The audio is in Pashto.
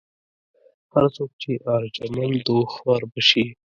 هر څوک چې ارجمند و خوار به شي.